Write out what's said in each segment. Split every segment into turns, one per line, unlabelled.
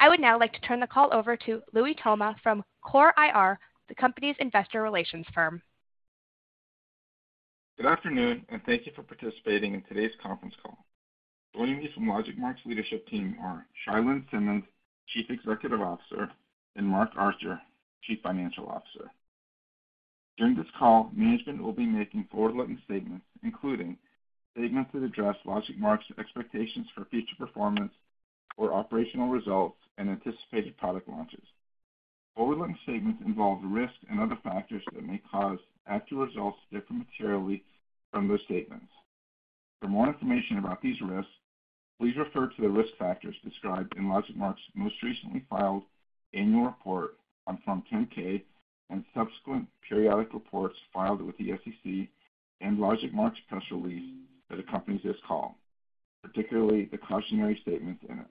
I would now like to turn the call over to Louie Toma from CORE IR, the company's investor relations firm.
Good afternoon, and thank you for participating in today's conference call. Joining me from LogicMark's leadership team are Chia-Lin Simmons, Chief Executive Officer, and Mark Archer, Chief Financial Officer. During this call, management will be making forward-looking statements, including statements that address LogicMark's expectations for future performance or operational results and anticipated product launches. Forward-looking statements involve risks and other factors that may cause actual results to differ materially from those statements. For more information about these risks, please refer to the risk factors described in LogicMark's most recently filed annual report on Form 10-K and subsequent periodic reports filed with the SEC and LogicMark's press release that accompanies this call, particularly the cautionary statements in it.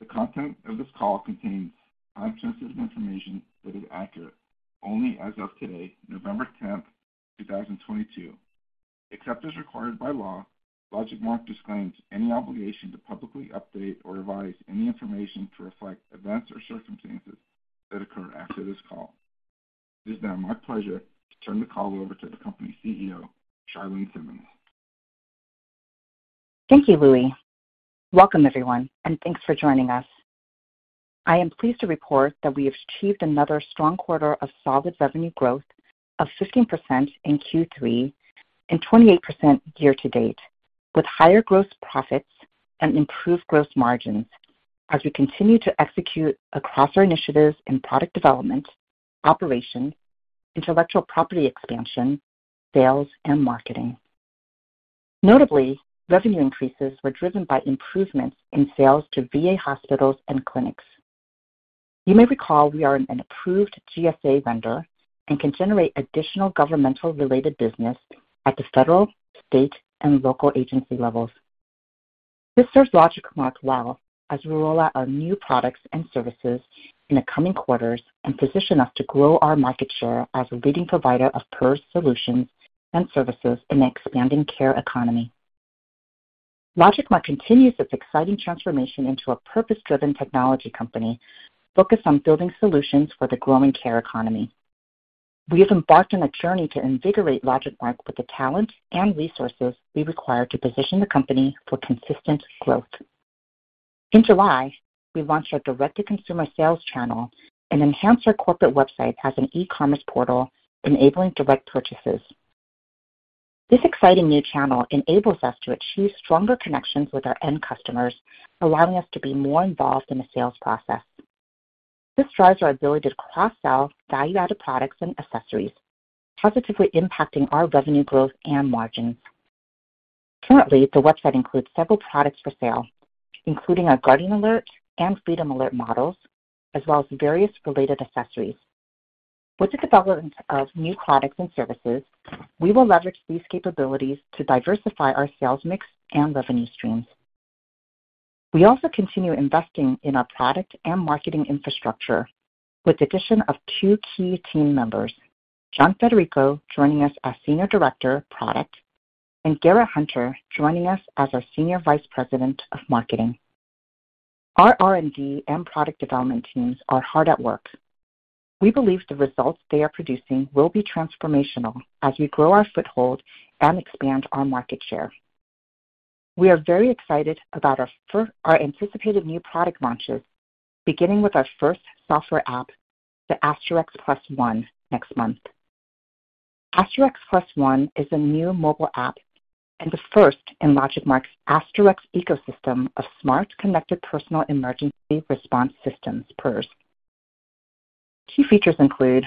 The content of this call contains time-sensitive information that is accurate only as of today, November 10th, 2022. Except as required by law, LogicMark disclaims any obligation to publicly update or revise any information to reflect events or circumstances that occur after this call. It is now my pleasure to turn the call over to the company CEO, Chia-Lin Simmons.
Thank you, Louie. Welcome, everyone, and thanks for joining us. I am pleased to report that we have achieved another strong quarter of solid revenue growth of 15% in Q3 and 28% year-to-date, with higher gross profits and improved gross margins as we continue to execute across our initiatives in product development, operation, intellectual property expansion, sales, and marketing. Notably, revenue increases were driven by improvements in sales to VA hospitals and clinics. You may recall we are an approved GSA vendor and can generate additional governmental related business at the federal, state, and local agency levels. This serves LogicMark well as we roll out our new products and services in the coming quarters and position us to grow our market share as a leading provider of PERS solutions and services in the expanding care economy. LogicMark continues its exciting transformation into a purpose-driven technology company focused on building solutions for the growing care economy. We have embarked on a journey to invigorate LogicMark with the talent and resources we require to position the company for consistent growth. In July, we launched our direct-to-consumer sales channel and enhanced our corporate website as an e-commerce portal, enabling direct purchases. This exciting new channel enables us to achieve stronger connections with our end customers, allowing us to be more involved in the sales process. This drives our ability to cross-sell value-added products and accessories, positively impacting our revenue growth and margins. Currently, the website includes several products for sale, including our Guardian Alert and Freedom Alert models, as well as various related accessories. With the development of new products and services, we will leverage these capabilities to diversify our sales mix and revenue streams. We also continue investing in our product and marketing infrastructure with the addition of two key team members, John Federico joining us as Senior Director, Product, and Garett Hunter joining us as our Senior Vice President of Marketing. Our R&D and product development teams are hard at work. We believe the results they are producing will be transformational as we grow our foothold and expand our market share. We are very excited about our anticipated new product launches, beginning with our first software app, the AsterX+1, next month. AsterX+1 is a new mobile app and the first in LogicMark's AsterX ecosystem of smart, connected personal emergency response systems, PERS. Key features include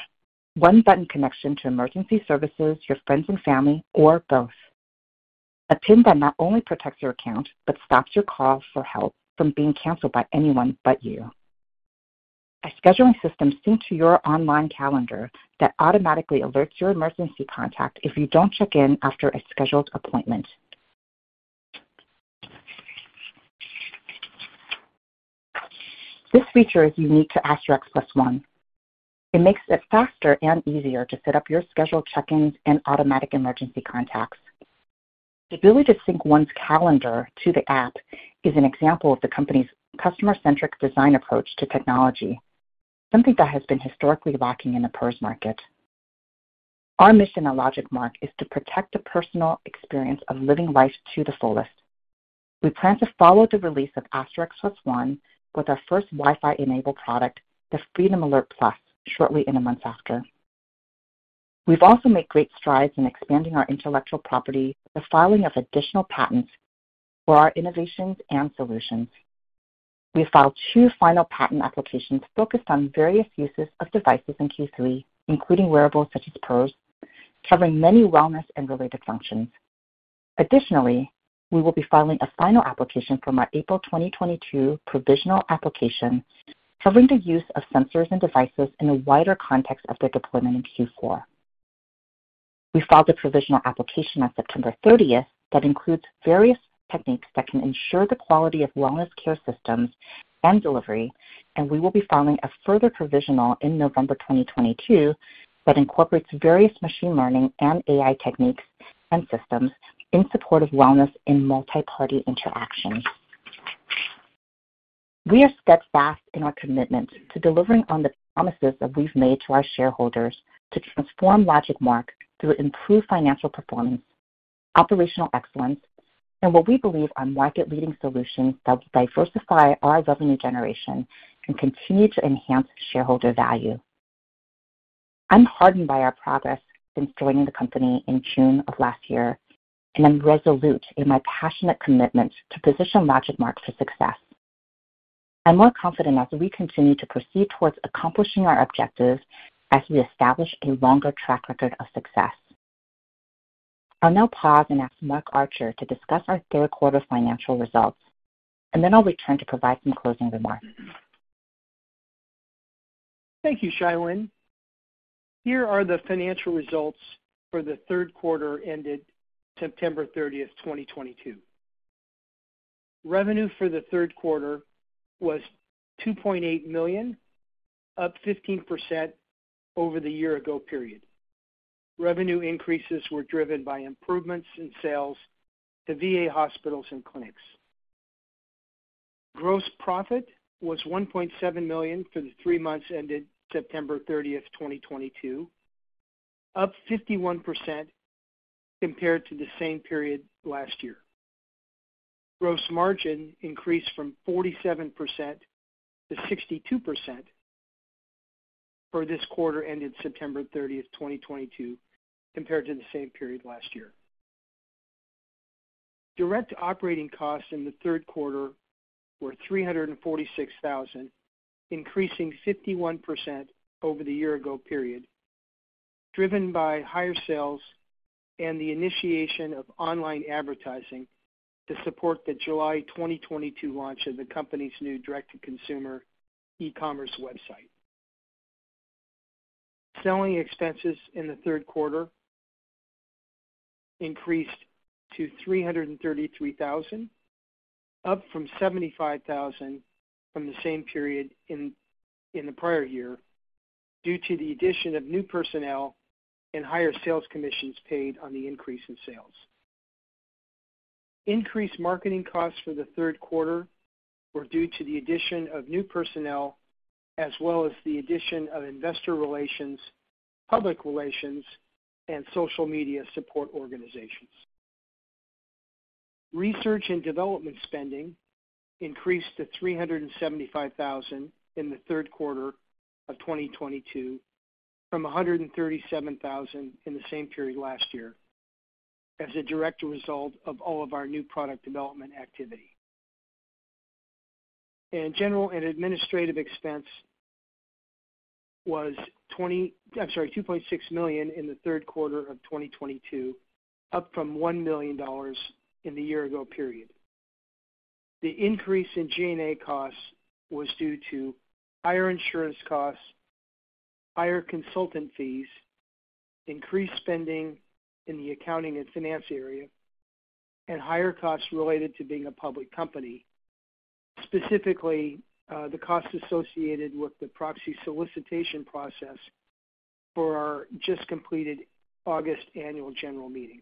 one-button connection to emergency services, your friends and family, or both. A pin that not only protects your account, but stops your call for help from being canceled by anyone but you. A scheduling system synced to your online calendar that automatically alerts your emergency contact if you don't check in after a scheduled appointment. This feature is unique to AsterX+1. It makes it faster and easier to set up your scheduled check-ins and automatic emergency contacts. The ability to sync one's calendar to the app is an example of the company's customer-centric design approach to technology, something that has been historically lacking in the PERS market. Our mission at LogicMark is to protect the personal experience of living life to the fullest. We plan to follow the release of AsterX+1 with our first Wi-Fi-enabled product, the Freedom Alert Plus, shortly in the months after. We've also made great strides in expanding our intellectual property, the filing of additional patents for our innovations and solutions. We filed two final patent applications focused on various uses of devices in Q3, including wearables such as PERS, covering many wellness and related functions. Additionally, we will be filing a final application from our April 2022 provisional application covering the use of sensors and devices in the wider context of their deployment in Q4. We filed a provisional application on September 30th that includes various techniques that can ensure the quality of wellness care systems and delivery, and we will be filing a further provisional in November 2022 that incorporates various machine learning and AI techniques and systems in support of wellness in multiparty interactions. We are steadfast in our commitment to delivering on the promises that we've made to our shareholders to transform LogicMark through improved financial performance, operational excellence, and what we believe are market-leading solutions that will diversify our revenue generation and continue to enhance shareholder value. I'm heartened by our progress since joining the company in June of last year, and I'm resolute in my passionate commitment to position LogicMark for success. I'm more confident as we continue to proceed towards accomplishing our objectives as we establish a longer track record of success. I'll now pause and ask Mark Archer to discuss our third quarter financial results, and then I'll return to provide some closing remarks.
Thank you, Chia-Lin. Here are the financial results for the third quarter ended September 30th, 2022. Revenue for the third quarter was $2.8 million, up 15% over the year ago period. Revenue increases were driven by improvements in sales to VA hospitals and clinics. Gross profit was $1.7 million for the three months ended September 30th, 2022, up 51% compared to the same period last year. Gross margin increased from 47%-62% for this quarter ended September 30th, 2022, compared to the same period last year. Direct operating costs in the third quarter were $346 thousand, increasing 51% over the year ago period, driven by higher sales and the initiation of online advertising to support the July 2022 launch of the company's new direct-to-consumer e-commerce website. Selling expenses in the third quarter increased to $333,000, up from $75,000 from the same period in the prior year, due to the addition of new personnel and higher sales commissions paid on the increase in sales. Increased marketing costs for the third quarter were due to the addition of new personnel as well as the addition of investor relations, public relations, and social media support organizations. Research and development spending increased to $375,000 in the third quarter of 2022 from $137,000 in the same period last year, as a direct result of all of our new product development activity. General and administrative expense was $2.6 million in the third quarter of 2022, up from $1 million in the year ago period. The increase in G&A costs was due to higher insurance costs, higher consultant fees, increased spending in the accounting and finance area, and higher costs related to being a public company. Specifically, the costs associated with the proxy solicitation process for our just-completed August annual general meeting.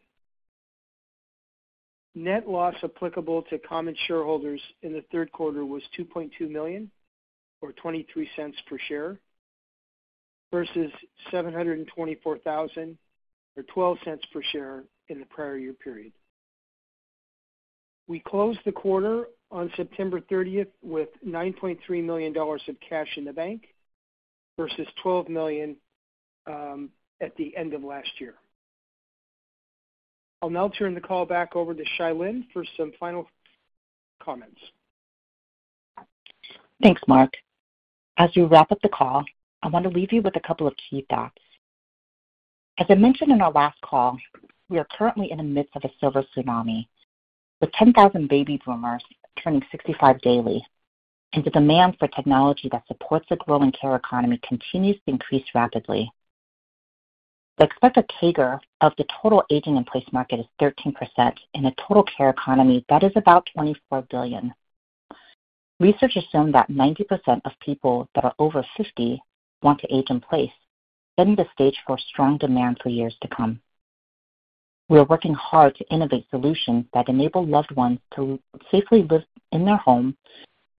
Net loss applicable to common shareholders in the third quarter was $2.2 million, or $0.23 per share, versus $724,000, or $0.12 per share in the prior year period. We closed the quarter on September thirtieth with $9.3 million of cash in the bank versus $12 million at the end of last year. I'll now turn the call back over to Chia-Lin for some final comments.
Thanks, Mark. As we wrap up the call, I want to leave you with a couple of key thoughts. As I mentioned in our last call, we are currently in the midst of a silver tsunami, with 10,000 baby boomers turning 65 daily, and the demand for technology that supports a growing care economy continues to increase rapidly. The expected CAGR of the total aging in place market is 13%. In a total care economy, that is about $24 billion. Research has shown that 90% of people that are over 50 want to age in place, setting the stage for strong demand for years to come. We are working hard to innovate solutions that enable loved ones to safely live in their home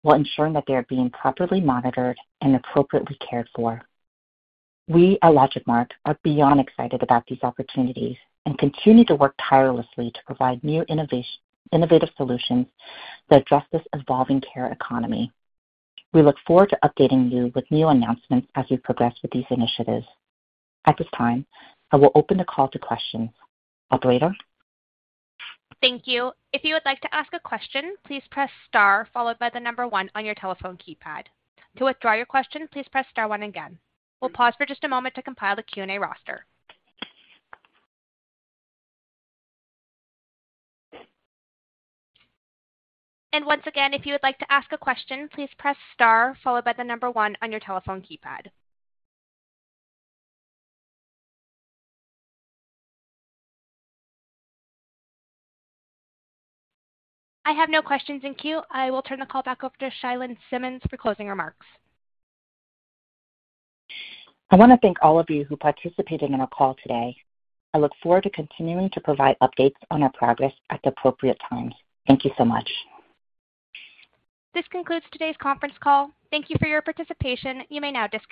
while ensuring that they are being properly monitored and appropriately cared for. We at LogicMark are beyond excited about these opportunities and continue to work tirelessly to provide new innovative solutions that address this evolving care economy. We look forward to updating you with new announcements as we progress with these initiatives. At this time, I will open the call to questions. Operator?
Thank you. If you would like to ask a question, please press star followed by the number one on your telephone keypad. To withdraw your question, please press star one again. We'll pause for just a moment to compile the Q&A roster. Once again, if you would like to ask a question, please press star followed by the number one on your telephone keypad. I have no questions in queue. I will turn the call back over to Chia-Lin Simmons for closing remarks.
I wanna thank all of you who participated in our call today. I look forward to continuing to provide updates on our progress at the appropriate time. Thank you so much.
This concludes today's conference call. Thank you for your participation. You may now disconnect.